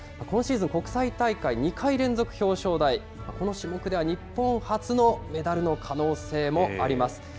今シーズン、国際大会２回連続表彰台、この種目では日本初のメダルの可能性もあります。